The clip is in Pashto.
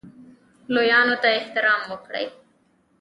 لویانو ته احترام وکړئ